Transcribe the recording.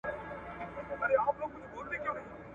باداران ئې د مرګ له بېري تښتېدل.